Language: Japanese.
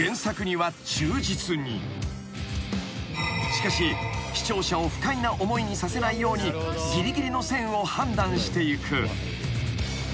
［しかし視聴者を不快な思いにさせないようにぎりぎりの線を判断していく］